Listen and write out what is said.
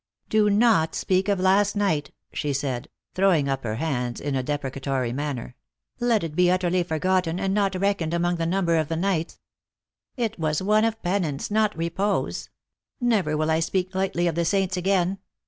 "Do not speak of last night," she said, throwing up her hands in a deprecatory manner, " let it be utterly forgotten, and not reckoned among the num ber of the nights. It was one of penance, not repose ! Never will I speak lightly of the saints again.